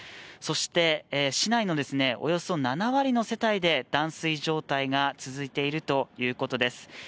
そして市内のおよそ７割の世帯で断水状態が続いているということです。